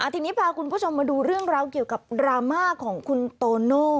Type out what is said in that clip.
ทีนี้พาคุณผู้ชมมาดูเรื่องราวเกี่ยวกับดราม่าของคุณโตโน่